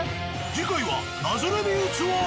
次回は。